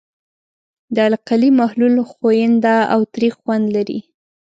د القلي محلول ښوینده او تریخ خوند لري.